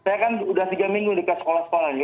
saya kan sudah tiga minggu di sekolah sekolah